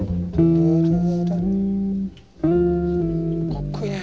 かっこいいね。